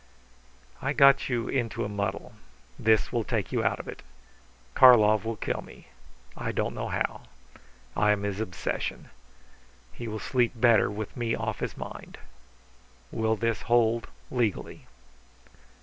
"I got you into a muddle; this will take you out of it. Karlov will kill me. I don't know how. I am his obsession. He will sleep better with me off his mind. Will this hold legally?"